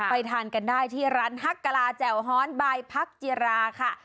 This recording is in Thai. ทานกันได้ที่ร้านฮักกะลาแจ่วฮอนบายพักจิราค่ะ